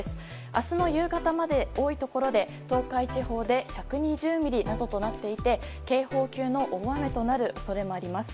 明日の夕方まで、多いところで東海地方で１２０ミリなどとなっていて警報級の大雨となる恐れもあります。